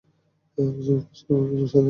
একজন কৃষ্ণাঙ্গ, একজন শ্বেতাঙ্গ।